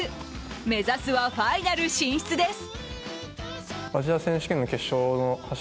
目指すはファイナル進出です。